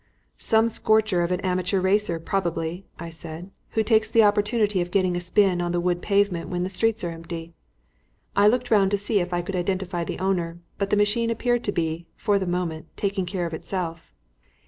"Some scorcher or amateur racer, probably," I said, "who takes the opportunity of getting a spin on the wood pavement when the streets are empty." I looked round to see if I could identify the owner, but the machine appeared to be, for the moment, taking care of itself.